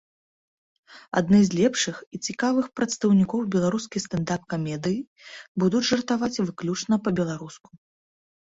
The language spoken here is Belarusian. Адны з лепшых і цікавых прадстаўнікоў беларускай стэндап-камедыі будуць жартаваць выключна па-беларуску!